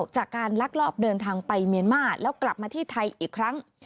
จากการลักลอบเดินทางไปเมียนมาร์แล้วกลับมาที่ไทยอีกครั้ง